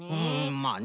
まあね。